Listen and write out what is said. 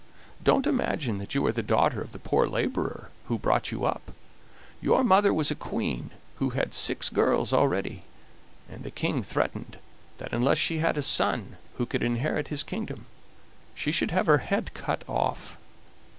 Don't imagine that you are the daughter of the poor laborer who brought you up; your mother was a queen who had six girls already, and the King threatened that unless she had a son who could inherit his kingdom she should have her head cut off.